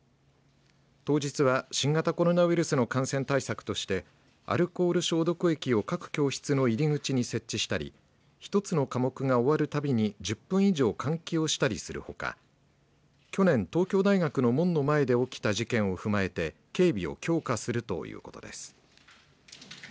当日は新型コロナウイルスの感染対策としてアルコール消毒液を各教室の入り口に設置したり１つの科目が終わるたびに１０分以上換気をしたりするほか去年、東京大学の門の前で起きた事件を踏まえて警備を強化するということです。